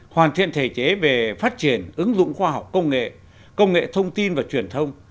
hoàn thiện thể chế về phát triển ứng dụng khoa học công nghệ công nghệ thông tin và truyền thông